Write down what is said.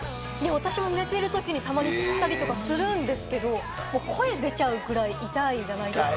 私も寝てるときにたまにつったりするんですけれども、声が出ちゃうくらい痛いじゃないですか。